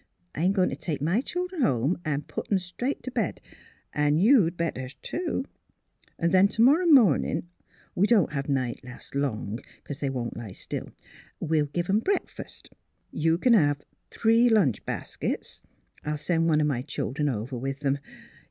I'm going to take my children home and put them straight to bed. And you'd better, too. Then to morrow morning — ^we don't have night last long, 'cause they won't lie still — we'll give 'em breakfast. You can have three lunch baskets. I'll send one of my children over with them.